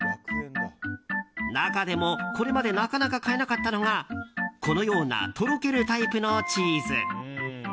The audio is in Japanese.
中でも、これまでなかなか買えなかったのがこのようなとろけるタイプのチーズ。